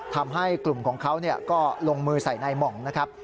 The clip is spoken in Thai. ทำให้กลุ่มของเขาก็ลงมือใส่นายหม่องนะครับ